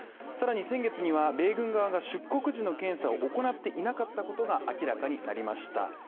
さらに先月には米軍側が出国時の検査を行っていなかったことが明らかになりました。